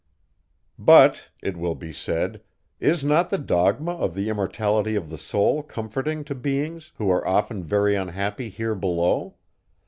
"But," it will be said, "is not the dogma of the immortality of the soul comforting to beings, who are often very unhappy here below?